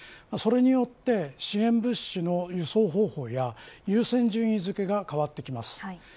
それによって支援物資の輸送方法や優先順位付けが変わってきます。